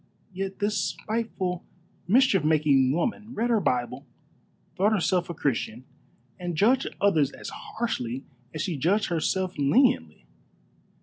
Yet this spiteful, mischief making woman read her Bible, thought herself a Christian, and judged others as harshly as she judged herself leniently.